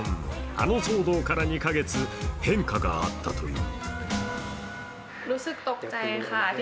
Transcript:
あの騒動から２か月、変化があったという。